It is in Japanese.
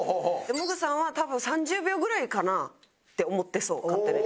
モグさんは多分３０秒ぐらいかな？って思ってそう勝手に。